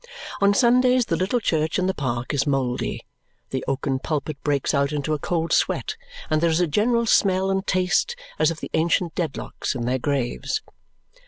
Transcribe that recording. On Sundays the little church in the park is mouldy; the oaken pulpit breaks out into a cold sweat; and there is a general smell and taste as of the ancient Dedlocks in their graves.